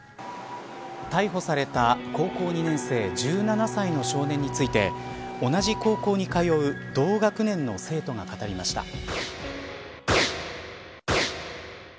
逮捕された高校２年生１７歳の少年について同じ高校に通う同学年の生徒が語りました。